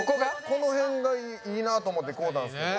この辺がいいなと思って買うたんですけど。